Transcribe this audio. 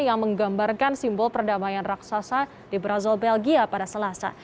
yang menggambarkan simbol perdamaian raksasa di brazil belgia pada selasa